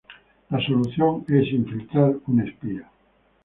La solución es infiltrar un espía.